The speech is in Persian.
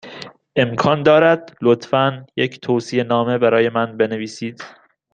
امکان دارد، لطفا، یک توصیه نامه برای من بنویسید؟